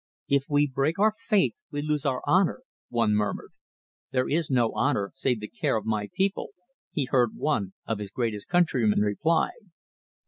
"If we break our faith we lose our honour," one murmured. "There is no honour save the care of my people," he heard one of his greatest countrymen reply.